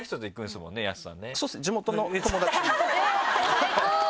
最高！